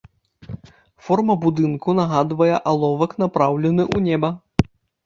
Форма будынку нагадвае аловак напраўлены ў неба.